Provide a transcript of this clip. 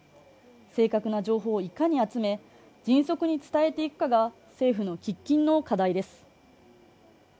正確な情報をいかに集め、迅速に伝えていくのかが政府の喫緊の課題です。